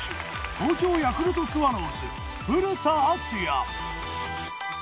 東京ヤクルトスワローズ古田敦也。